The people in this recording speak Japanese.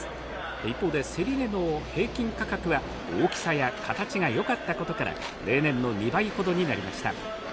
一方で、競り値の平均価格は大きさや形がよかったことから、例年の２倍ほどになりました。